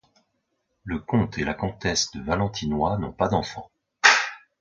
Le comte et la comtesse de Valentinois n'ont pas d'enfant.